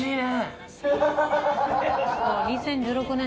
あっ２０１６年？